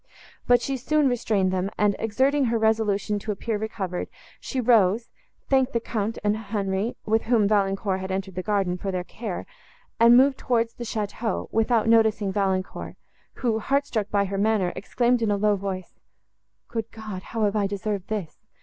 But she soon restrained them, and, exerting her resolution to appear recovered, she rose, thanked the Count and Henri, with whom Valancourt had entered the garden, for their care, and moved towards the château, without noticing Valancourt, who, heart struck by her manner, exclaimed in a low voice—"Good God! how have I deserved this?